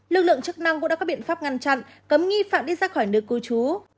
lực lượng chức năng cũng đã có biện pháp ngăn chặn cấm nghi phạm đi ra khỏi nơi cư trú